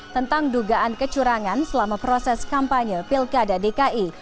tentang dugaan kecurangan selama proses kampanye pilkada dki